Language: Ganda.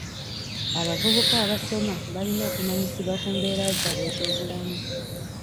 Abavubuka abasoma balina okumanyisibwa ku mbeera zaabwe ez'obulamu.